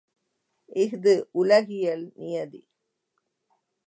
இஃது உலகியல் நியதி.